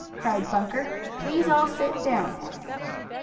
cried Bunker. "Please all sit down!"